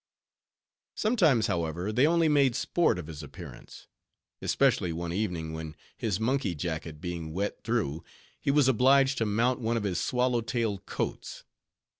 Sometimes, however, they only made sport of his appearance; especially one evening, when his monkey jacket being wet through, he was obliged to mount one of his swallow tailed coats.